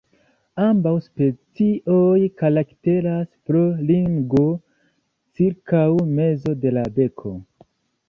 Ambaŭ specioj karakteras pro ringo cirkaŭ mezo de la beko.